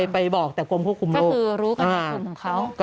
ไปบอกกรมควบคุมโรค